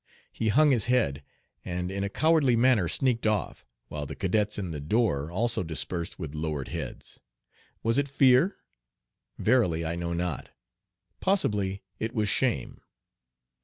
He hung his head, and in a cowardly manner sneaked off, while the cadets in the door also dispersed with lowered heads. Was it fear? Verily I know not. Possibly it was shame.